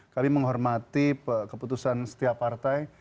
kami menghormati keputusan setiap partai